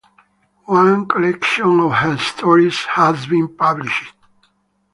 One collection of her stories has been published.